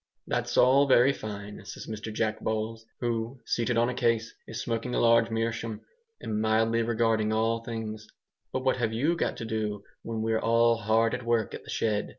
"That's all very fine," says Mr Jack Bowles, who, seated on a case, is smoking a large meerschaum and mildly regarding all things, "but what have you got to do when we're all HARD AT WORK at the shed?"